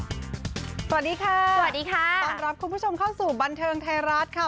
สวัสดีค่ะสวัสดีค่ะต้อนรับคุณผู้ชมเข้าสู่บันเทิงไทยรัฐค่ะ